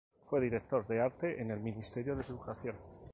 Fue director de arte en el Ministerio de Educación.